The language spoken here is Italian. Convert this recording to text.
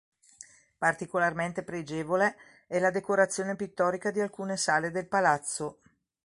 Particolarmente pregevole è la decorazione pittorica di alcune sale del palazzo.